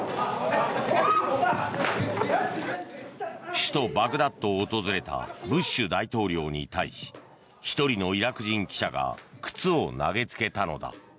首都バグダッドを訪れたブッシュ大統領に対し１人のイラク人記者が靴を投げつけたのだ。